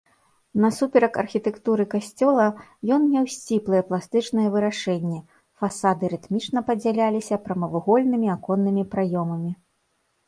Насуперак архітэктуры касцёла ён меў сціплае пластычнае вырашэнне, фасады рытмічна падзяляліся прамавугольнымі аконнымі праёмамі.